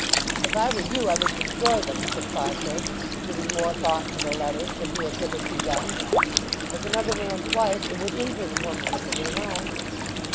"If I were you I would destroy them," said Farfrae, giving more thought to the letters than he had hitherto done. "As another man's wife it would injure the woman if it were known."